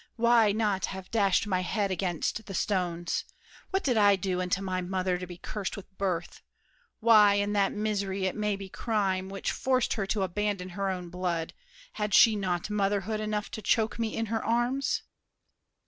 Why not have dashed My head against the stones? What did I do Unto my mother to be cursed with birth? Why, in that misery, it may be crime, Which forced her to abandon her own blood, Had she not motherhood enough to choke Me in her arms?